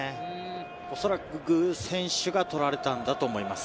おそらく、グ選手が取られたんだと思います。